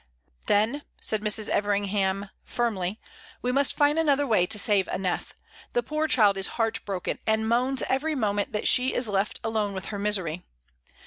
"Then," said Mrs. Everingham, firmly, "we must find another way to save Aneth. The poor child is heart broken, and moans every moment that she is left alone with her misery.